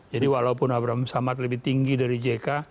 jadi walaupun abraham samad lebih tinggi dari jk